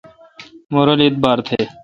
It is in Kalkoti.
مہ رل اعبار تھ۔